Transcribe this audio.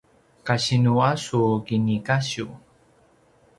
kasinu a su kinikasiv?